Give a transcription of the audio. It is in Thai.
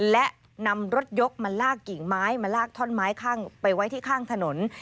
และนำรถยกมาลากกิ่งไม้มาลากท่อนไม้ไปไว้ที่ข้างถนน